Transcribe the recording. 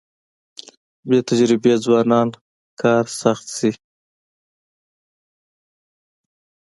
بې تجربې ځوانان کار سخت شي.